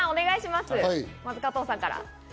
まず、加藤さんから。